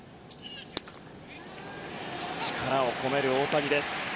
力を込める大谷です。